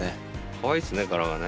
かわいいですね柄がね。